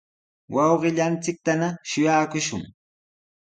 wawqillanchiktana shuyaakushun.